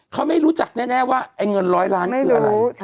เขาไม่รู้จักแน่ว่าไอ้เงินร้อยล้านคืออะไร